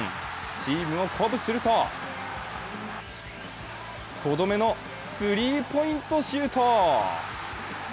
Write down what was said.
チームを鼓舞するととどめのスリーポイントシュート。